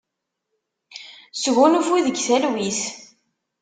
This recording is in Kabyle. Sgunfu deg talwit.